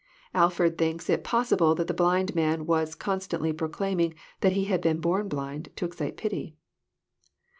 Alford thinks it possible that the blind man was constantly proclaiming that he had been born blind, to excite pity.